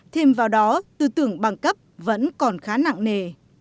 thêm vào đó tư tưởng bằng cấp vẫn còn khá nặng nề